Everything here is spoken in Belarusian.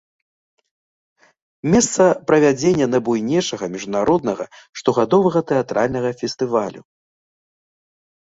Месца правядзення найбуйнейшага міжнароднага штогадовага тэатральнага фестывалю.